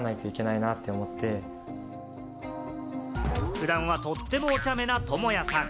普段はとってもおちゃめな朋哉さん。